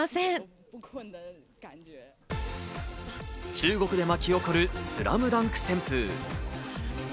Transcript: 中国で巻き起こる『ＳＬＡＭＤＵＮＫ』旋風。